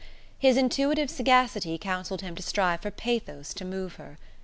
His intuitive sagacity counselled him to strive for pathos to move her.